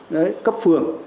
đấy cấp phường